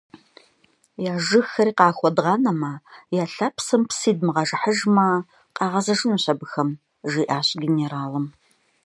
- Я жыгхэри къахуэдгъанэмэ, я лъапсэм псы идмыгъэжыхьыжмэ, къагъэзэжынущ абыхэм, – жиӏащ генералым.